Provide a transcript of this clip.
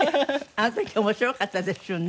あの時面白かったですよね。